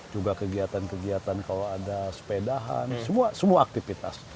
juga kegiatan kegiatan kalau ada sepedahan semua aktivitas